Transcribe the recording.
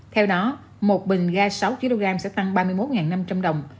theo đó một bình ga sáu kg sẽ tăng ba mươi một năm trăm linh đồng